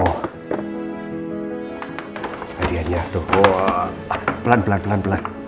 hadi hadi ya pelan pelan